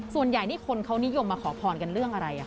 ส่วนใหญ่นี่คนเขานิยมมาขอพรกันเรื่องอะไร